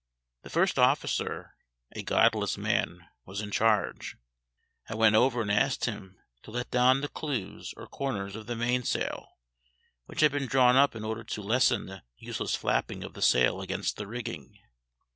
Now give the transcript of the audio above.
The first officer, a godless man, was in charge. I went over and asked him to let down the clews or corners of the mainsail, which had been drawn up in order to lessen the useless flapping of the sail against the rigging.